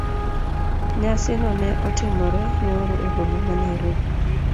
Nyasi no ne otimore nyoro e boma ma Nairobi.